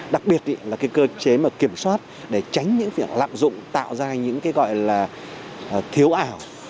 đặc biệt là cái cơ chế mà kiểm soát để tránh những việc lạm dụng tạo ra những cái gọi là thiếu ảo